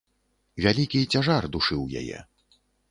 Вялікі цяжар душыў яе.